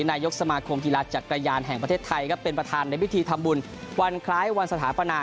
นายกสมาคมกีฬาจักรยานแห่งประเทศไทยครับเป็นประธานในพิธีทำบุญวันคล้ายวันสถาปนา